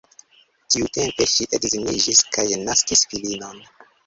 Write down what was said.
Tiutempe ŝi edziniĝis kaj naskis filinon.